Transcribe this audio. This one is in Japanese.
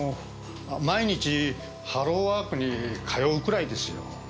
毎日ハローワークに通うくらいですよ。